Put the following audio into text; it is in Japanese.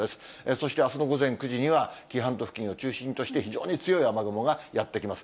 そして、あすの午前９時には、紀伊半島付近を中心として非常に強い雨雲がやって来ます。